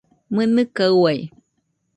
¡Mɨnɨka uai!